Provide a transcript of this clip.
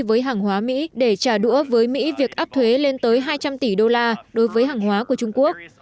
với hàng hóa mỹ để trả đũa với mỹ việc áp thuế lên tới hai trăm linh tỷ đô la đối với hàng hóa của trung quốc